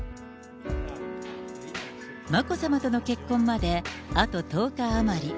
眞子さまとの結婚まであと１０日余り。